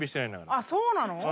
あっそうなの？